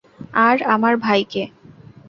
আর আমার ভাইকে।